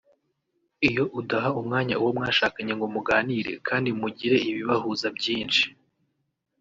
Iyo udaha umwanya uwo mwashakanye ngo muganire kandi mugire ibibahuza byinshi